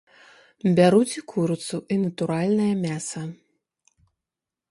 Бяруць і курыцу, і натуральнае мяса.